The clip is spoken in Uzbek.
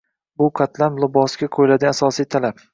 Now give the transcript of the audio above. Bu qatlam libosga qo‘yiladigan asosiy talab.